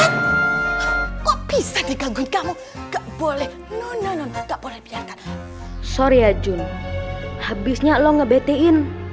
kok bisa digangguin kamu gak boleh no no no gak boleh biarkan sorry ya jun habisnya lo ngebetein